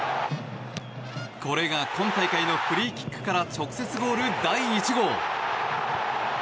これが今大会のフリーキックから直接ゴール第１号。